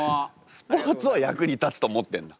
スポーツは役に立つと思ってんだ？